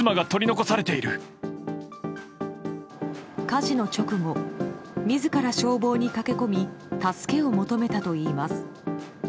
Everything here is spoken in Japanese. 火事の直後自ら消防に駆け込み助けを求めたといいます。